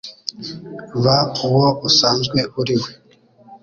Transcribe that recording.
Ba uwo usanzwe uri we